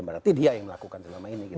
berarti dia yang melakukan selama ini